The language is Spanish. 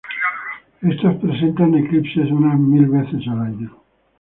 Estos presentan eclipses unas mil veces al año.